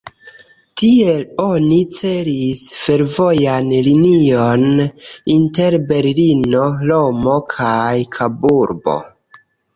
Tiel oni celis fervojan linion inter Berlino, Romo kaj Kaburbo.